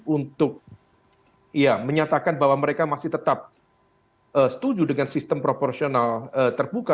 untuk menyatakan bahwa mereka masih tetap setuju dengan sistem proporsional terbuka